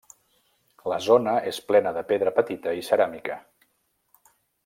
La zona és plena de pedra petita i ceràmica.